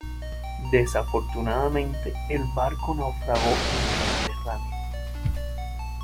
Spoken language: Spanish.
Desafortunadamente el barco naufragó en el Mediterráneo.